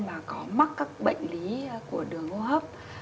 mà có mắc các bệnh lý của đường hô hấp